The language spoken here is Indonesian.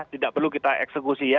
tidak perlu kita eksekusi ya